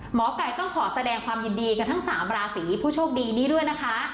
หมอไก่ต้องขอแสดงความยินดีกับทั้ง๓ราศีผู้โชคดีนี้ด้วยนะคะ